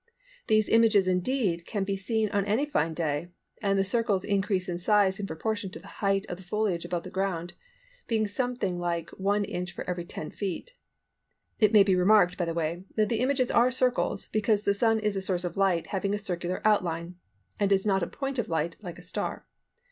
These images indeed can be seen on any fine day, and the circles increase in size in proportion to the height of the foliage above the ground, being something like 1 inch for every 10 feet. It may be remarked, by the way, that the images are circles, because the Sun is a source of light having a circular outline, and is not a point of light like a star.